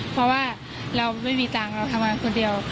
เพราะว่าเราไม่มีตังค์เราทำงานคนเดียว